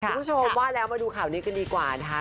คุณผู้ชมว่าแล้วมาดูข่าวนี้กันดีกว่านะคะ